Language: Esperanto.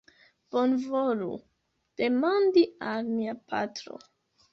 Bonvolu demandi al nia patro